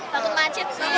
takut macet sih